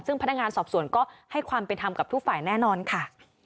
ซึ่งพนักงานสอบสวนก็ให้ความเป็นธรรมกับทุกฝ่ายแน่นอนค่ะ